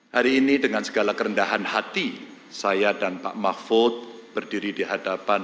hari ini dengan segala kerendahan hati saya dan pak mahfud berdiri di hadapan